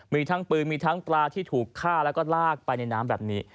มีทั้งปืนมีทั้งปลาที่ถูกฆ่าแล้วก็ลากไปในน้ำแบบนี้